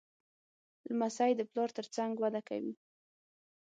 لمسی د پلار تر څنګ وده کوي.